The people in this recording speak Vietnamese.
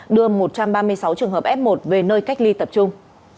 đưa một trăm ba mươi sáu trường hợp f một về nơi cách ly tập trung